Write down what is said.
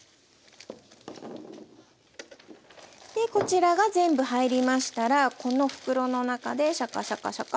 こちらが全部入りましたらこの袋の中でシャカシャカシャカッと混ぜてしまいます。